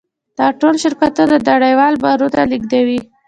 دا ټول شرکتونه نړیوال بارونه لېږدوي.